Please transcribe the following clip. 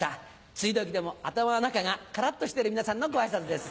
梅雨時でも頭の中がカラっとしてる皆さんのごあいさつです。